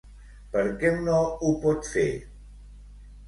Per què no ho pot fer?